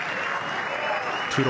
プロ